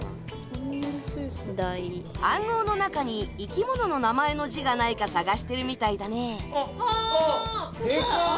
暗号の中に生き物の名前の字がないか探してるみたいだねあっデカっ！